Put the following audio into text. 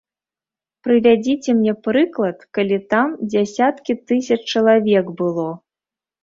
Прывядзіце мне прыклад, калі там дзясяткі тысяч чалавек было?